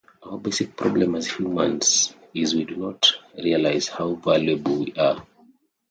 Our basic problem as humans is we do not realise how valuable we are